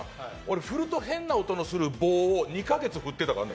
振ると変な音のする棒を２か月振ってたからね。